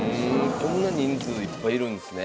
こんな人数いっぱいいるんですね。